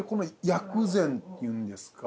薬膳っていうんですか？